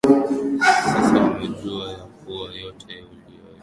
Sasa wamejua ya kuwa yote uliyonipa yatoka kwako